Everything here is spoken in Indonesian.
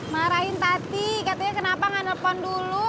marahin tati katanya kenapa gak telepon dulu